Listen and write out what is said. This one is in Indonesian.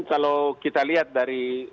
kalau kita lihat dari